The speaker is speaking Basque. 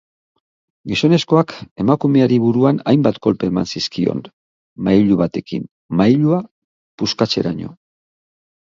Gizonezkoak emakumeari buruan hainbat kolpe eman zizkion mailu batekin, mailua puskatzeraino.